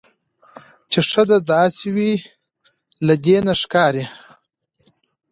چې ښځه داسې وي. له دې نه ښکاري